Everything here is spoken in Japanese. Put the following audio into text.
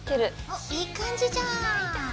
おっいい感じじゃん。